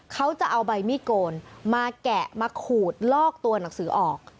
เขาจะเอาใบมีดโกนมาแกะมาขูดลอกตัวหนังสือออก